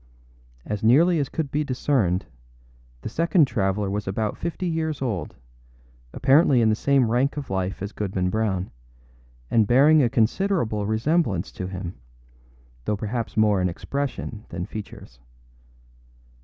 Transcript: As nearly as could be discerned, the second traveller was about fifty years old, apparently in the same rank of life as Goodman Brown, and bearing a considerable resemblance to him, though perhaps more in expression than features.